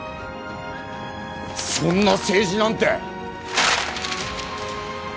そんな政治なんて。